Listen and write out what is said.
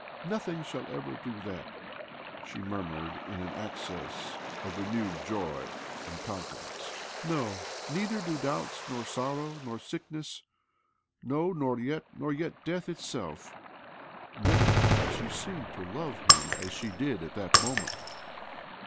'' Nothing shall ever do that !" she mur mured in an access of renewed joy and con fidence. ' No, neither doubts nor sorrow nor sickness ! No, nor yet — nor yet death itself !" Never had she seemed to love him as she did at that moment.